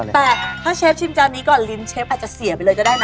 แต่ถ้าเชฟชิมจานนี้ก่อนลิ้นเชฟอาจจะเสียไปเลยก็ได้นะ